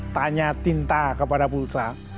tanya tinta kepada pulsa